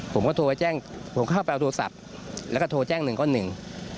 ผมก็โทรไปแจ้งผมเข้าไปเอาโทรศัพท์แล้วก็โทรแจ้งหนึ่งก้อนหนึ่ง